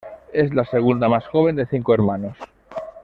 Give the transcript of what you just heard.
Es la segunda más joven de cinco hermanos.